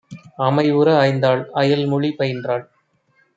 அமைவுற ஆய்ந்தாள்; அயல்மொழி பயின்றாள்;